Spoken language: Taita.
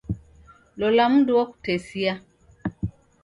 Lola mundu wokutesia.